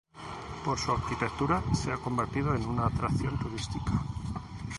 Por su arquitectura se ha convertido en una atracción turística.